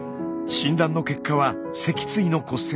診断の結果は脊椎の骨折。